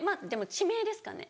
地名ですかね